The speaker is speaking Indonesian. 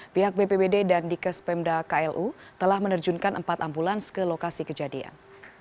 pihak bpbd dan dikes pemda klu telah menerjunkan empat ambulans ke lokasi kejadian